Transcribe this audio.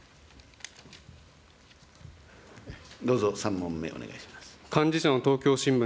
どうぞ、３問目、お願いします。